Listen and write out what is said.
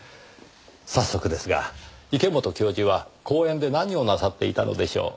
早速ですが池本教授は公園で何をなさっていたのでしょう？